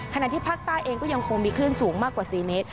ที่ภาคใต้เองก็ยังคงมีคลื่นสูงมากกว่า๔เมตร